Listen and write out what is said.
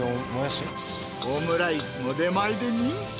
オムライスも出前で人気。